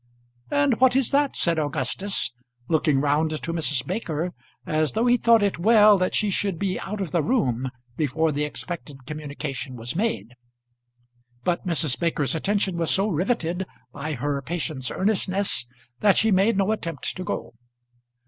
"And what is that?" said Augustus, looking round to Mrs. Baker as though he thought it well that she should be out of the room before the expected communication was made. But Mrs. Baker's attention was so riveted by her patient's earnestness, that she made no attempt to go.